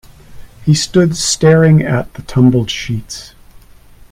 He stood staring at the tumbled sheets.